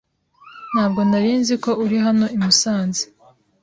Ntabwo nari nzi ko uri hano i Musanze.